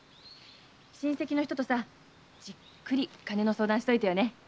親戚の人とさじっくり金の相談しといてよね。